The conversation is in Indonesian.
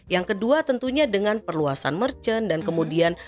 yang kedua tentunya dengan perluasan merchant dan kemudian